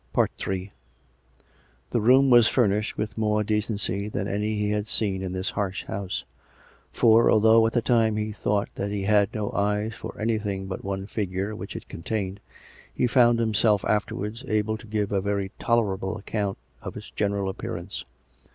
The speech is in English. Ill The room was furnished with more decency than any he had seen in this harsh house; for, although at the time he thought that he had no eyes for anything but one figure which it contained, he found himself afterwards able to give a very tolerable account of its general appearance.